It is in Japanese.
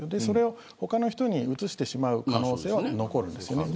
それを他の人にうつしてしまう可能性は残るんですよ。